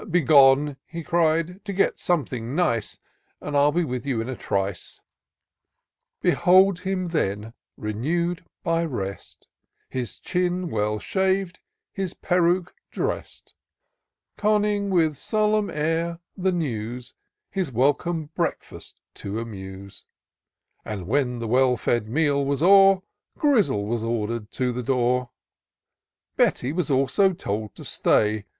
" Be gone !" he cried, " get something nice, And I'll be with you in a trice." \ 30 TOUR OF DOCTOR SYNTAX Behold him then^ renew'd by rest, His chin well shav'd, his peruke dress'd, Conning with solemn air the news, His welcome breakfast to amuse ; And when the well fed meal was o'er, Grizzle was order'd to the door ; Betty was also told to say.